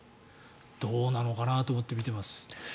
どうなのかなと思って見ています。